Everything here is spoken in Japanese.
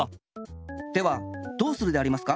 ではどうするでありますか？